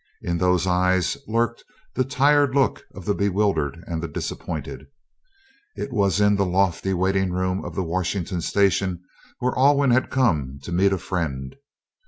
In those eyes lurked the tired look of the bewildered and the disappointed. It was in the lofty waiting room of the Washington station where Alwyn had come to meet a friend.